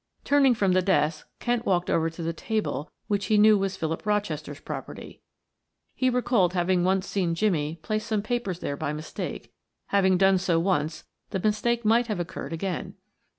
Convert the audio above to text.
Turning from the desk Kent walked over to the table which he knew was Philip Rochester's property; he recalled having once seen Jimmie place some papers there by mistake; having done so once, the mistake might have occurred again.